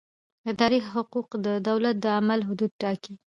اداري حقوق د دولت د عمل حدود ټاکي.